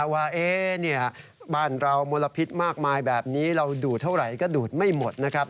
ว่าบ้านเรามลพิษมากมายแบบนี้เราดูดเท่าไหร่ก็ดูดไม่หมดนะครับ